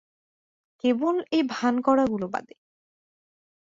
কেবল এই ভান করা গুলো বাদে।